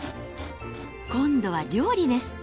今度は料理です。